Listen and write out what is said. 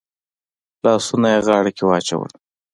لاسونه يې غاړه کې واچول.